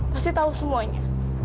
pasti tahu semuanya